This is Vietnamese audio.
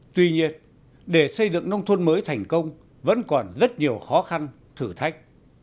tuy nhiên để xây dựng nông thôn mới thành công vẫn còn rất nhiều khó khăn thử thách